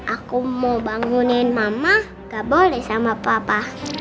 aku mau bangunin mama gak boleh sama papa